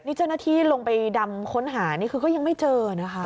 นี่เจ้าหน้าที่ลงไปดำค้นหานี่คือก็ยังไม่เจอนะคะ